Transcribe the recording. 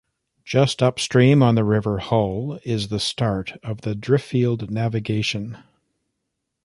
Just upstream on the River Hull is the start of the Driffield Navigation.